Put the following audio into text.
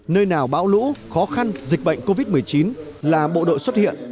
nơi nào bão lũ khó khăn dịch bệnh covid một mươi chín là bộ đội xuất hiện